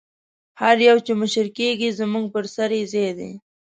هر یو چې مشر کېږي زموږ پر سر یې ځای دی.